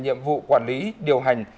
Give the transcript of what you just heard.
nhiệm vụ quản lý điều hành